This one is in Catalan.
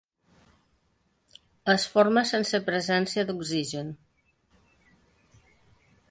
Es forma sense presència d'oxigen.